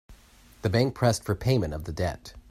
The bank pressed for payment of the debt.